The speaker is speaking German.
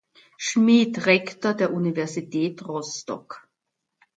Schmid Rektor der Universität Rostock.